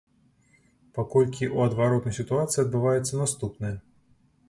Паколькі ў адваротнай сітуацыі адбываецца наступнае.